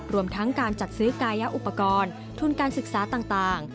รวมทั้งการจัดซื้อกายอุปกรณ์ทุนการศึกษาต่าง